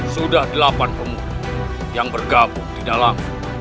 sudah delapan pemudik yang bergabung di dalam